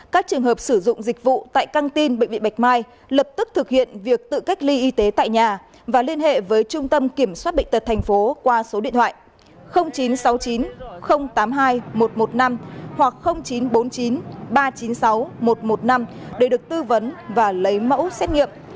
các trường hợp sử dụng dịch vụ tại căng tin bệnh viện bạch mai lập tức thực hiện việc tự cách ly y tế tại nhà và liên hệ với trung tâm kiểm soát bệnh tật thành phố qua số điện thoại chín trăm sáu mươi chín tám mươi hai một trăm một mươi năm hoặc chín trăm bốn mươi chín ba trăm chín mươi sáu một trăm một mươi năm để được tư vấn và lấy mẫu xét nghiệm